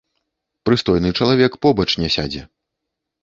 Прыстойны чалавек побач не сядзе.